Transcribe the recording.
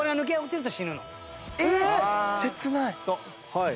はい。